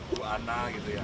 buana gitu ya